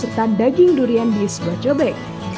serta daging durian di sebuah cobek